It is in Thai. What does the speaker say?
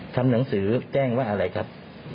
ทำหนังสือแจ้งว่าอะไรครับ